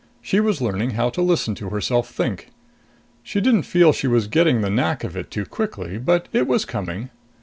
She was learning how to listen to herself think. She didn't feel she was getting the knack of it too quickly; but it was coming.